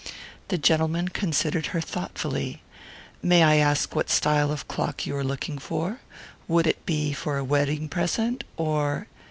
The gentleman considered her thoughtfully. "May I ask what style of clock you are looking for? Would it be for a wedding present, or